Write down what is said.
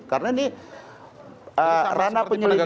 karena ini rana penyelidikan dpr